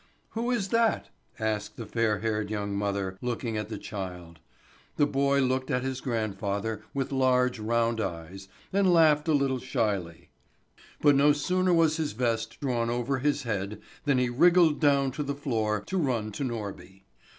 "Who is that?" asked the fair haired young mother, looking at the child. The boy looked at his grandfather with large, round eyes, and laughed a little shyly; but no sooner was his vest drawn over his head than he wriggled down to the floor to run to Norby.